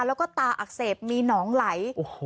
แล้วก็ตาอักเสบมีหนองไหล